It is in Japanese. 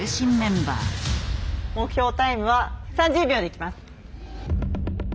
目標タイムは３０秒でいきます。